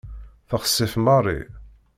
Texsef Mary.